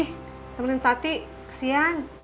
sama dengan tati kesian